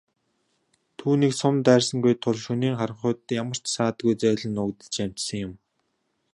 Түүнийг сум дайрсангүй тул шөнийн харанхуйд ямар ч саадгүй зайлан нуугдаж амжсан юм.